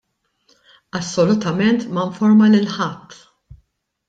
Assolutament ma informa lil ħadd!